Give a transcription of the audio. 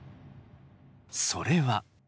それは。